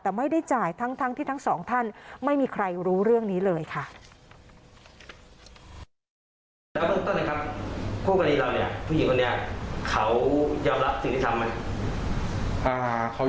แต่ไม่ได้จ่ายทั้งที่ทั้งสองท่านไม่มีใครรู้เรื่องนี้เลยค่ะ